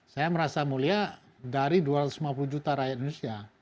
saya merasa mulia dari dua ratus lima puluh juta rakyat indonesia